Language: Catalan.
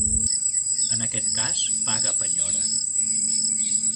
En aquest cas, paga penyora.